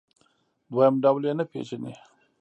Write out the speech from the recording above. دویم ډول یې نه پېژني.